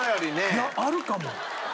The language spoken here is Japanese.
いやあるかも。